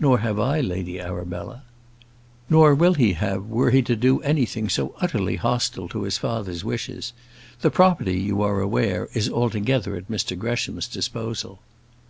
"Nor have I, Lady Arabella." "Nor will he have were he to do anything so utterly hostile to his father's wishes. The property, you are aware, is altogether at Mr Gresham's disposal."